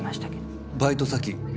バイト先？